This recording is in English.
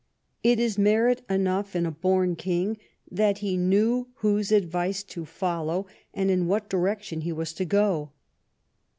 It is merit enough in a born king that he knew whose advice to follow and in Avhat direction he was to go.